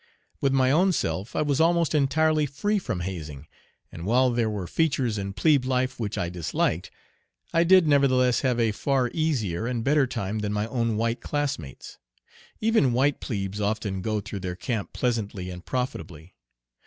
With my own self I was almost entirely free from hazing, and while there were features in "plebe life" which I disliked, I did nevertheless have a far easier and better time than my own white classmates. Even white plebes often go through their camp pleasantly and profitably.